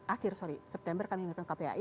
akhir sorry september kami menetapkan kpai